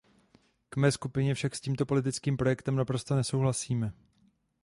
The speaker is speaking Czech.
V mé skupině však s tímto politickým projektem naprosto nesouhlasíme.